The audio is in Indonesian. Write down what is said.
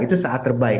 itu saat terbaik